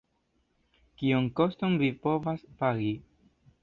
Kiun koston vi povas pagi?